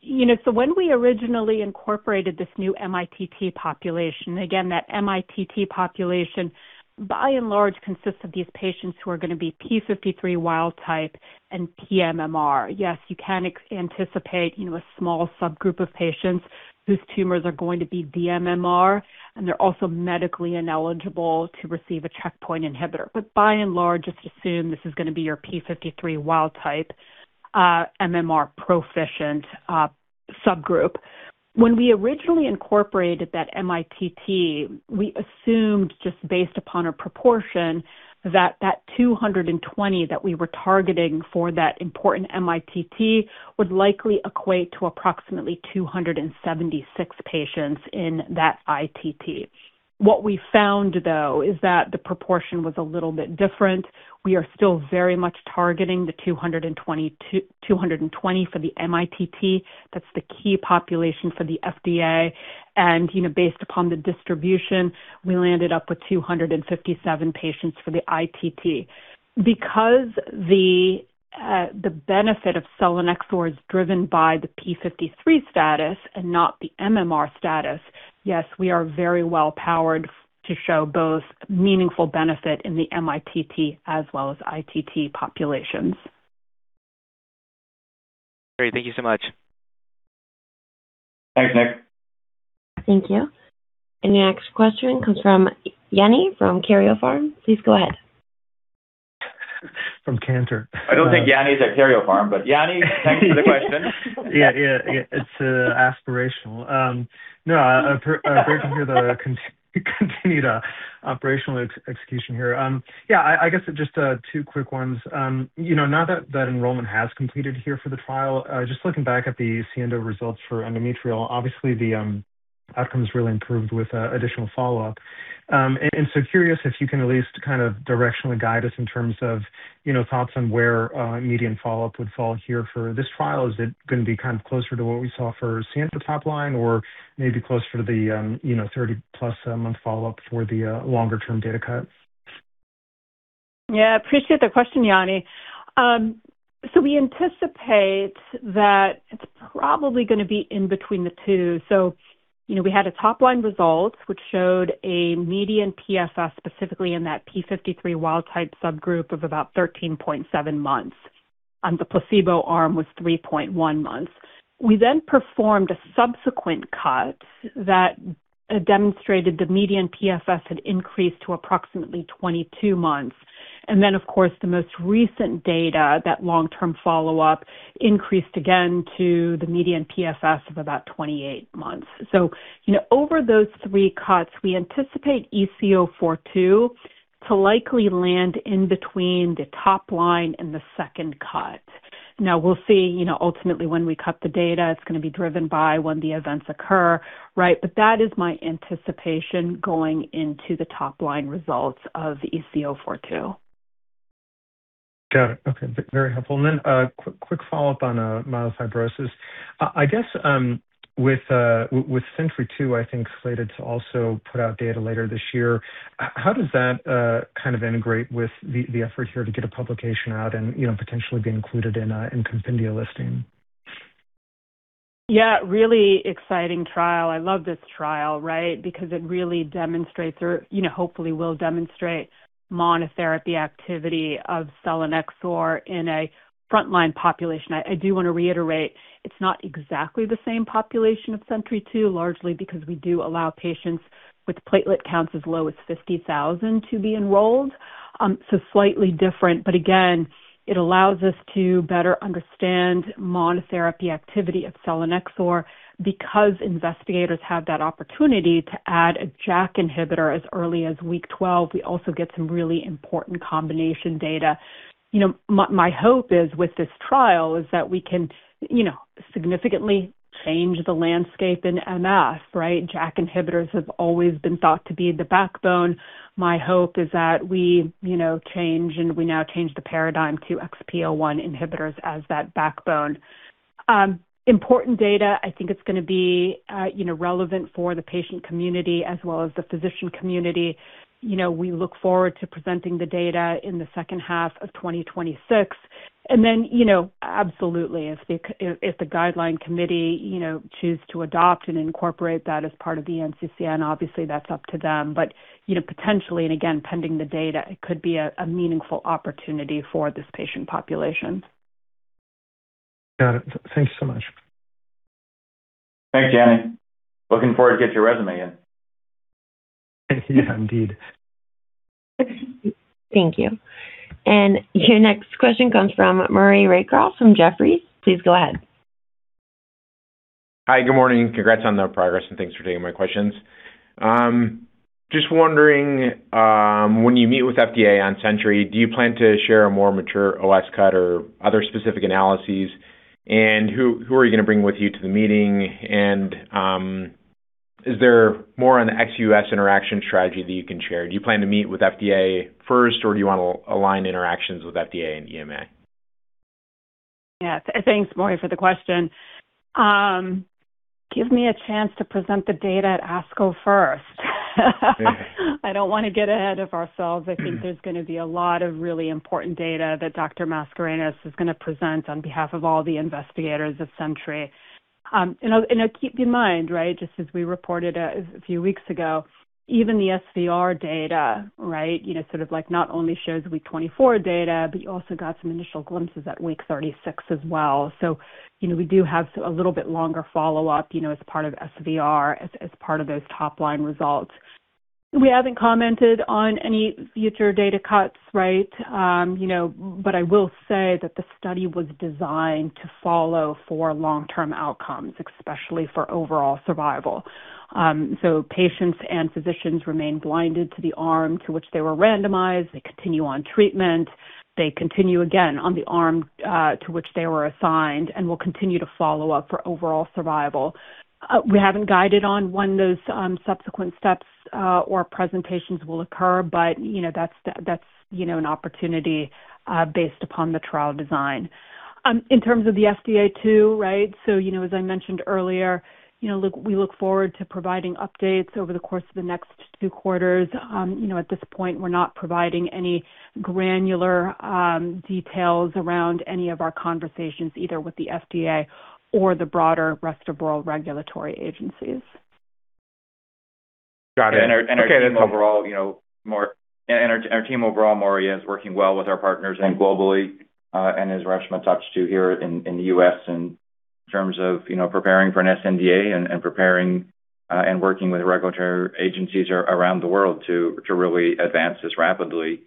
you know, when we originally incorporated this new mITT population, again, that mITT population by and large consists of these patients who are gonna be p53 wild type and dMMR. Yes, you can anticipate, you know, a small subgroup of patients whose tumors are going to be dMMR, and they're also medically ineligible to receive a checkpoint inhibitor. By and large, just assume this is gonna be your p53 wild type, MMR-proficient subgroup. When we originally incorporated that mITT, we assumed just based upon a proportion that 220 that we were targeting for that important mITT would likely equate to approximately 276 patients in that ITT. What we found, though, is that the proportion was a little bit different. We are still very much targeting the 220 for the mITT. That's the key population for the FDA. You know, based upon the distribution, we landed up with 257 patients for the ITT. Because the benefit of selinexor is driven by the p53 status and not the MMR status, yes, we are very well powered to show both meaningful benefit in the mITT as well as ITT populations. Great. Thank you so much. Thanks, Nick. Thank you. Your next question comes from Yanni from Karyopharm. Please go ahead. From Cantor. I don't think Yanni's at Karyopharm, but Yanni, thanks for the question. Yeah. Yeah. Yeah. It's aspirational. No, great to hear the continued operational execution here. Yeah, I guess just two quick ones. You know, now that enrollment has completed here for the trial, just looking back at the SIENDO results for endometrial, obviously the outcomes really improved with additional follow-up. Curious if you can at least kind of directionally guide us in terms of, you know, thoughts on where median follow-up would fall here for this trial. Is it gonna be kind of closer to what we saw for SIENDO top line or maybe closer to the, you know, 30-plus month follow-up for the longer term data cut? Yeah. Appreciate the question, Yanni. We anticipate that it's probably gonna be in between the two. You know, we had a top-line result which showed a median PFS specifically in that P53 wild type subgroup of about 13.7 months, and the placebo arm was 3.1 months. We performed a subsequent cut that demonstrated the median PFS had increased to approximately 22 months. Of course, the most recent data, that long-term follow-up increased again to the median PFS of about 28 months. You know, over those three cuts, we anticipate XPORT-EC-042 to likely land in between the top line and the second cut. We'll see, you know, ultimately when we cut the data, it's gonna be driven by when the events occur, right? That is my anticipation going into the top line results of XPORT-EC-042. Got it. Okay. Very helpful. Then, quick follow-up on myelofibrosis. I guess, with SENTRY-2, I think, slated to also put out data later this year, how does that kind of integrate with the effort here to get a publication out and, you know, potentially be included in a compendia listing? Yeah, really exciting trial. I love this trial, right? It really demonstrates or, you know, hopefully will demonstrate monotherapy activity of selinexor in a frontline population. I do want to reiterate it's not exactly the same population of SENTRY-2, largely because we do allow patients with platelet counts as low as 50,000 to be enrolled. Slightly different, but again, it allows us to better understand monotherapy activity of selinexor because investigators have that opportunity to add a JAK inhibitor as early as week 12. We also get some really important combination data. My hope is with this trial is that we can, you know, significantly change the landscape in MF, right? JAK inhibitors have always been thought to be the backbone. My hope is that we, you know, change and we now change the paradigm to XPO1 inhibitors as that backbone. Important data, I think it's gonna be, you know, relevant for the patient community as well as the physician community. You know, we look forward to presenting the data in the second half of 2026. Then, you know, absolutely, if the guideline committee, you know, choose to adopt and incorporate that as part of the NCCN, obviously that's up to them. You know, potentially, and again, pending the data, it could be a meaningful opportunity for this patient population. Got it. Thanks so much. Thanks, Yanni. Looking forward to get your. <inaudible> Yeah, indeed. Thank you. Your next question comes from Maury Raycroft from Jefferies. Please go ahead. Hi, good morning. Congrats on the progress, and thanks for taking my questions. Just wondering when you meet with FDA on SENTRY, do you plan to share a more mature OS cut or other specific analyses? Who are you gonna bring with you to the meeting? Is there more on the ex-US interaction strategy that you can share? Do you plan to meet with FDA first, or do you wanna align interactions with FDA and EMA? Yeah. Thanks, Maury, for the question. Give me a chance to present the data at ASCO first. Yeah. I don't wanna get ahead of ourselves. I think there's gonna be a lot of really important data that John Mascarenhas is gonna present on behalf of all the investigators of SENTRY. Keep in mind, right, just as we reported a few weeks ago, even the SVR data, you know, sort of like not only shows week 24 data, but you also got some initial glimpses at week 36 as well. We do have a little bit longer follow-up, you know, as part of SVR, as part of those top-line results. We haven't commented on any future data cuts, right. I will say that the study was designed to follow for long-term outcomes, especially for overall survival. Patients and physicians remain blinded to the arm to which they were randomized. They continue on treatment. They continue, again, on the arm to which they were assigned and will continue to follow up for overall survival. We haven't guided on when those subsequent steps or presentations will occur, but, you know, that's the, that's, you know, an opportunity based upon the trial design. In terms of the FDA too, right? You know, as I mentioned earlier, you know, look, we look forward to providing updates over the course of the next two quarters. You know, at this point, we're not providing any granular details around any of our conversations, either with the FDA or the broader rest-of-world regulatory agencies. Got it. Okay. Our team overall, Maury, is working well with our partners. Globally, and as Reshma touched here in the U.S. in terms of, you know, preparing for an sNDA and preparing and working with regulatory agencies around the world to really advance this rapidly,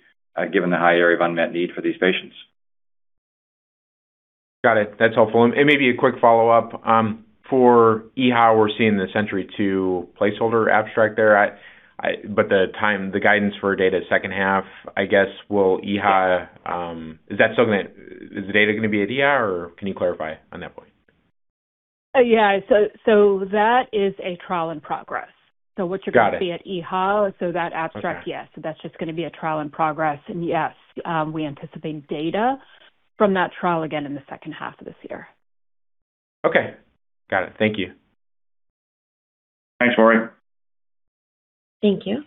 given the high area of unmet need for these patients. Got it. That's helpful. Maybe a quick follow-up, for EHA, we're seeing the SENTRY-2 placeholder abstract there. The guidance for data is second half, I guess. Will the data be at EHA, or can you clarify on that point? Yeah. That is a trial in progress. Got it. What you're gonna see at EHA. Okay. yes, that's just gonna be a trial in progress. yes, we anticipate data from that trial again in the second half of this year. Okay. Got it. Thank you. Thanks, Maury. Thank you.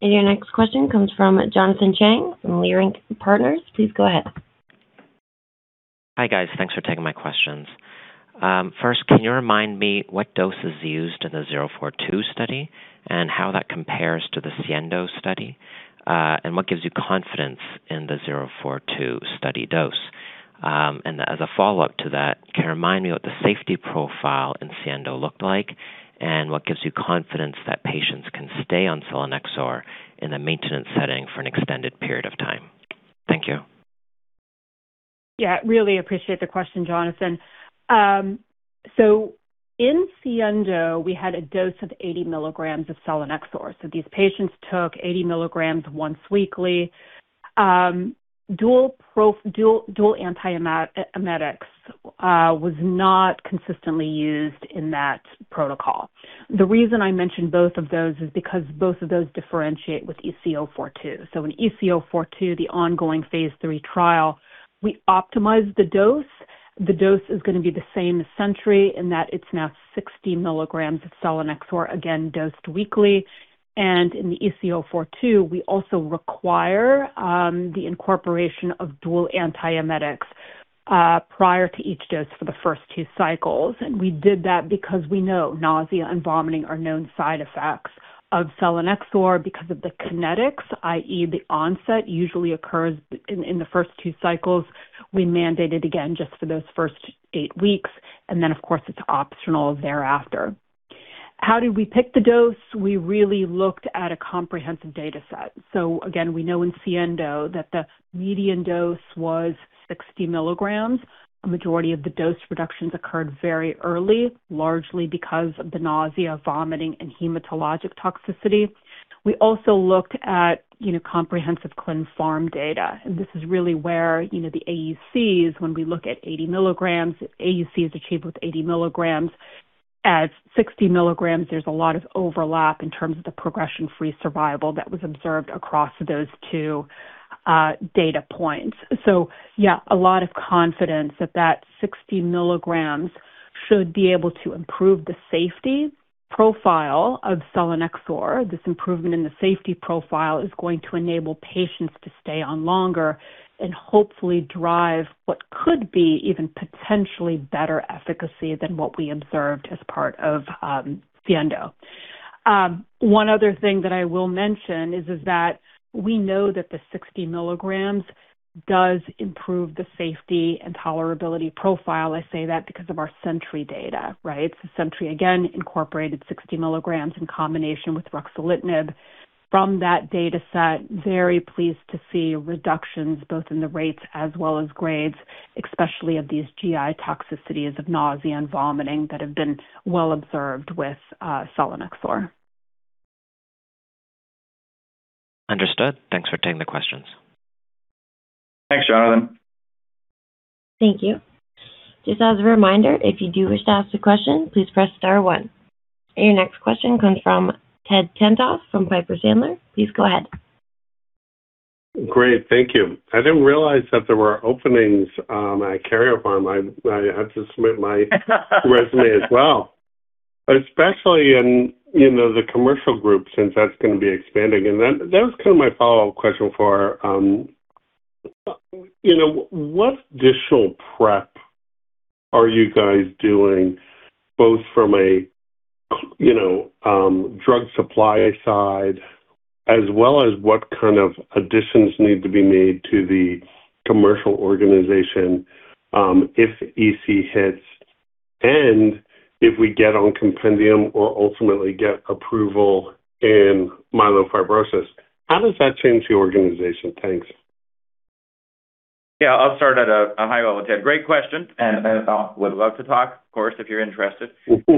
Your next question comes from Jonathan Chang from Leerink Partners. Please go ahead. Hi, guys. Thanks for taking my questions. First, can you remind me what dose is used in the XPORT-EC-042 and how that compares to the SIENDO, and what gives you confidence in the XPORT-EC-042 dose? As a follow-up to that, can you remind me what the safety profile in SIENDO looked like and what gives you confidence that patients can stay on selinexor in a maintenance setting for an extended period of time? Thank you. Yeah, really appreciate the question, Jonathan. In SIENDO, we had a dose of 80 milligrams of selinexor. These patients took 80 milligrams once weekly. Dual, dual antiemetics was not consistently used in that protocol. The reason I mention both of those is because both of those differentiate with XPORT-EC-042. In XPORT-EC-042, the ongoing phase III trial, we optimized the dose. The dose is gonna be the same as SENTRY in that it's now 60 milligrams of selinexor, again, dosed weekly. In the XPORT-EC-042, we also require the incorporation of dual antiemetics prior to each dose for the first 2 cycles, and we did that because we know nausea and vomiting are known side effects of selinexor because of the kinetics, i.e., the onset usually occurs in the first 2 cycles. We mandate it again just for those first 8 weeks, and then, of course, it's optional thereafter. How did we pick the dose? We really looked at a comprehensive data set. Again, we know in SIENDO that the median dose was 60 milligrams. A majority of the dose reductions occurred very early, largely because of the nausea, vomiting, and hematologic toxicity. We also looked at, you know, comprehensive clin pharm data, and this is really where, you know, the AUCs, when we look at 80 milligrams, AUC is achieved with 80 milligrams. At 60 milligrams, there's a lot of overlap in terms of the progression-free survival that was observed across those 2 data points. Yeah, a lot of confidence that that 60 milligrams should be able to improve the safety profile of selinexor. This improvement in the safety profile is going to enable patients to stay on longer and hopefully drive what could be even potentially better efficacy than what we observed as part of SIENDO. One other thing that I will mention is that we know that the 60 milligrams does improve the safety and tolerability profile. I say that because of our SENTRY data, right? SENTRY, again, incorporated 60 milligrams in combination with ruxolitinib. From that data set, very pleased to see reductions both in the rates as well as grades, especially of these GI toxicities of nausea and vomiting that have been well observed with selinexor. Understood. Thanks for taking the questions. Thanks, Jonathan. Thank you. Just as a reminder, if you do wish to ask a question, please press star one. Your next question comes from Edward Tenthoff from Piper Sandler. Please go ahead. Great. Thank you. I didn't realize that there were openings at Karyopharm. I have to submit my resume as well, especially in, you know, the commercial group since that's gonna be expanding. Then that was kind of my follow-up question for, you know, what additional prep are you guys doing both from a, you know, drug supply side as well as what kind of additions need to be made to the commercial organization, if EC hits and if we get on compendium or ultimately get approval in myelofibrosis? How does that change the organization? Thanks. Yeah, I'll start at a high level, Ted. Great question, and would love to talk, of course, if you're interested. But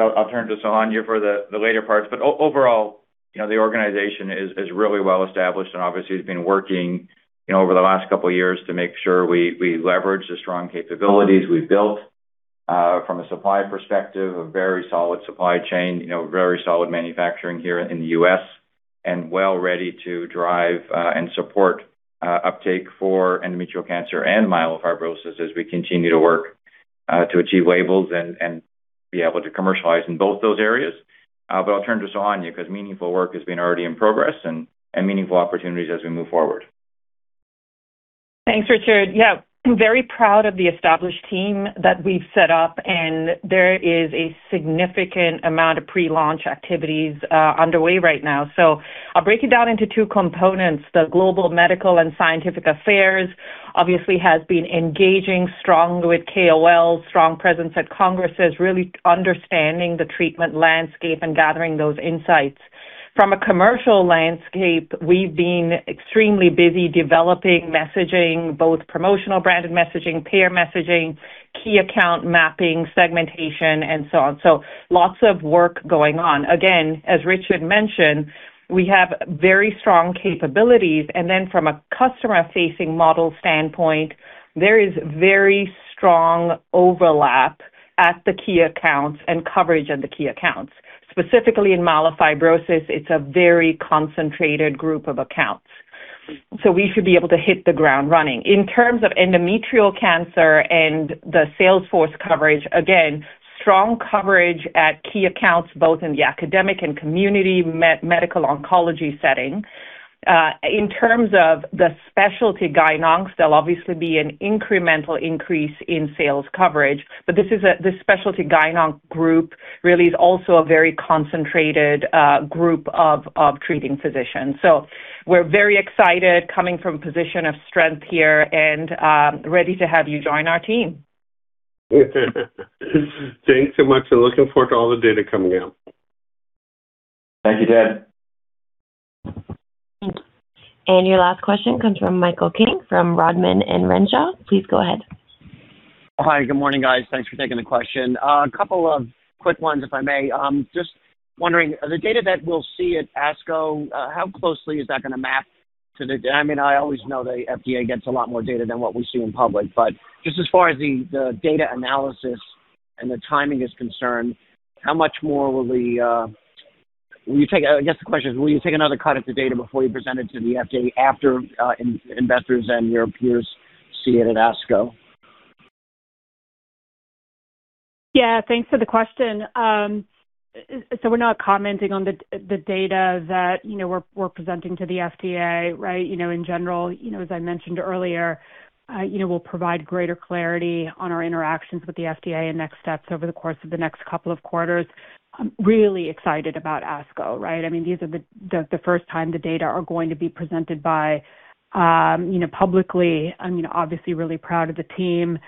I'll turn to Sonya for the later parts. Overall, you know, the organization is really well established, and obviously has been working, you know, over the last couple years to make sure we leverage the strong capabilities we've built from a supply perspective, a very solid supply chain, you know, very solid manufacturing here in the U.S. and well ready to drive and support uptake for endometrial cancer and myelofibrosis as we continue to work to achieve labels and be able to commercialize in both those areas. But I'll turn to Sonya 'cause meaningful work has been already in progress and meaningful opportunities as we move forward. Thanks, Richard. Yeah, very proud of the established team that we've set up, and there is a significant amount of pre-launch activities underway right now. I'll break it down into two components. The global medical and scientific affairs obviously has been engaging strongly with KOLs, strong presence at congresses, really understanding the treatment landscape and gathering those insights. From a commercial landscape, we've been extremely busy developing messaging, both promotional branded messaging, peer messaging, key account mapping, segmentation, and so on. Lots of work going on. Again, as Richard mentioned, we have very strong capabilities. From a customer-facing model standpoint, there is very strong overlap at the key accounts and coverage of the key accounts. Specifically in myelofibrosis, it's a very concentrated group of accounts, we should be able to hit the ground running. In terms of endometrial cancer and the sales force coverage, again, strong coverage at key accounts both in the academic and community medical oncology setting. In terms of the specialty gyn docs, there'll obviously be an incremental increase in sales coverage. This specialty gyn doc group really is also a very concentrated group of treating physicians. We're very excited coming from a position of strength here and ready to have you join our team. Thanks so much. Looking forward to all the data coming out. Thank you, Ted. Thank you. Your last question comes from Michael King from Rodman & Renshaw. Please go ahead. Hi. Good morning, guys. Thanks for taking the question. A couple of quick ones, if I may. Just wondering, the data that we'll see at ASCO, how closely is that gonna map to the I mean, I always know the FDA gets a lot more data than what we see in public. Just as far as the data analysis and the timing is concerned, how much more will you take I guess the question is, will you take another cut at the data before you present it to the FDA after investors and your peers see it at ASCO? Yeah, thanks for the question. We're not commenting on the data that, you know, we're presenting to the FDA, right? You know, in general, you know, as I mentioned earlier, you know, we'll provide greater clarity on our interactions with the FDA and next steps over the course of the next couple of quarters. I'm really excited about ASCO, right? I mean, these are the first time the data are going to be presented by, you know, publicly. I'm, you know, obviously really proud of the team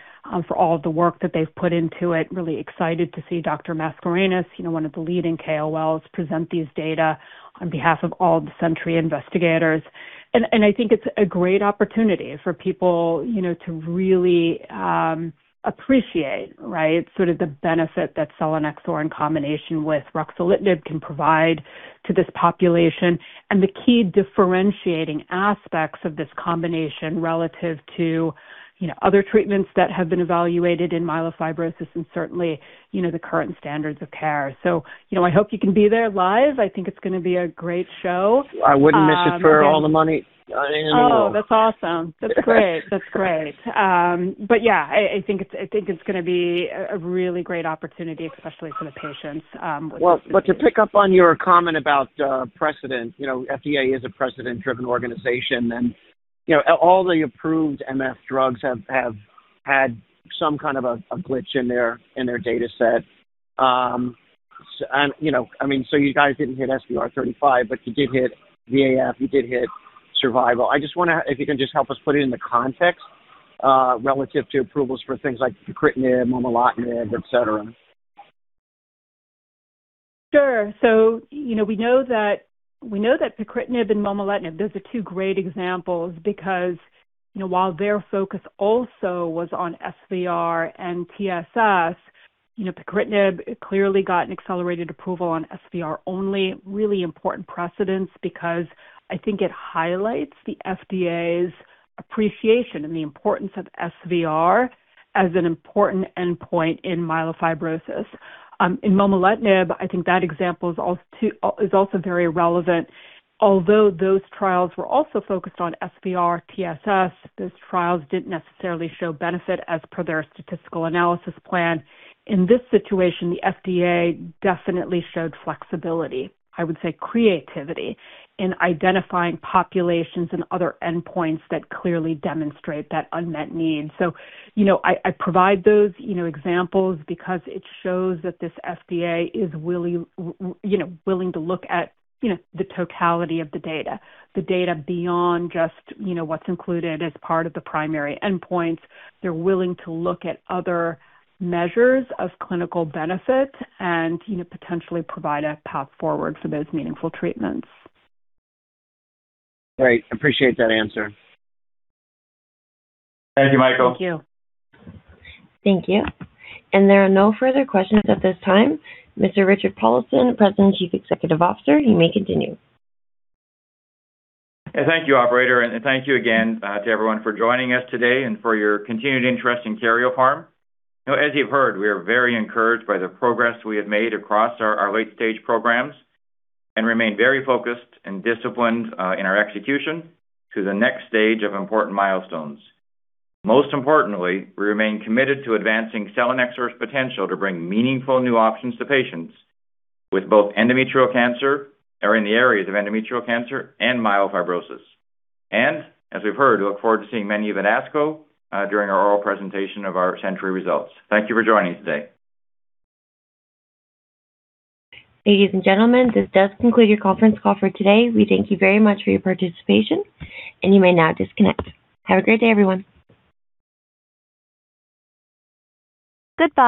for all of the work that they've put into it. Really excited to see John Mascarenhas, you know, one of the leading KOLs, present these data on behalf of all the SENTRY investigators. I think it's a great opportunity for people, you know, to really appreciate, right, sort of the benefit that selinexor in combination with ruxolitinib can provide to this population and the key differentiating aspects of this combination relative to, you know, other treatments that have been evaluated in myelofibrosis and certainly, you know, the current standards of care. You know, I hope you can be there live. I think it's gonna be a great show. I wouldn't miss it for all the money. I am there. Oh, that's awesome. That's great. Yeah. I think it's gonna be a really great opportunity, especially for the patients with this disease. To pick up on your comment about precedent, you know, FDA is a precedent-driven organization and, you know, all the approved MF drugs have had some kind of a glitch in their dataset. You know, I mean, you guys didn't hit SVR 35, but you did hit VAF, you did hit survival. I just want to if you can just help us put it into context, relative to approvals for things like pacritinib, momelotinib, et cetera? Sure. You know, that pacritinib and momelotinib, those are two great examples because, you know, while their focus also was on SVR and TSS, you know, pacritinib clearly got an accelerated approval on SVR only. Really important precedence because I think it highlights the FDA's appreciation and the importance of SVR as an important endpoint in myelofibrosis. In momelotinib I think that example is also very relevant. Although those trials were also focused on SVR, TSS, those trials didn't necessarily show benefit as per their statistical analysis plan. In this situation, the FDA definitely showed flexibility, I would say creativity, in identifying populations and other endpoints that clearly demonstrate that unmet need. You know, I provide those, you know, examples because it shows that this FDA is willing to look at, you know, the totality of the data, the data beyond just, you know, what's included as part of the primary endpoints. They're willing to look at other measures of clinical benefit and, you know, potentially provide a path forward for those meaningful treatments. Great. Appreciate that answer. Thank you, Michael. Thank you. Thank you. There are no further questions at this time. Mr. Richard Paulson, President and Chief Executive Officer, you may continue. Thank you, operator, and thank you again to everyone for joining us today and for your continued interest in Karyopharm. You know, as you've heard, we are very encouraged by the progress we have made across our late-stage programs and remain very focused and disciplined in our execution to the next stage of important milestones. Most importantly, we remain committed to advancing selinexor's potential to bring meaningful new options to patients with both endometrial cancer or in the areas of endometrial cancer and myelofibrosis. As we've heard, we look forward to seeing many of you at ASCO during our oral presentation of our SENTRY results. Thank you for joining today. Ladies and gentlemen, this does conclude your conference call for today. We thank you very much for your participation, and you may now disconnect. Have a great day, everyone. Goodbye.